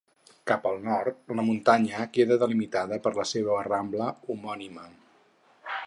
Cap al nord, la muntanya queda delimitada per la seua rambla homònima.